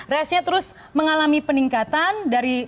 rasinya terus mengalami peningkatan dari